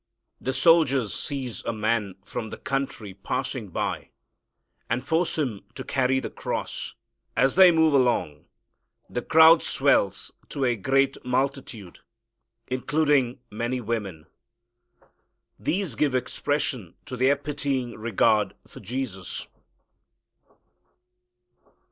The soldiers seize a man from the country passing by and force him to carry the cross. As they move along, the crowd swells to a great multitude, including many women. These give expression to their pitying regard for Jesus.